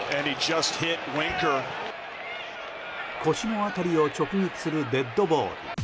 腰の辺りを直撃するデッドボール。